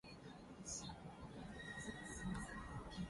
ｔｒｇｔｙｔｎ